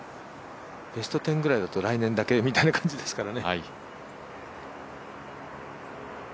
ベスト１０ぐらいだと、来年ぐらいだけみたいな感じですから。